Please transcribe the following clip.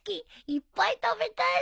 いっぱい食べたいな。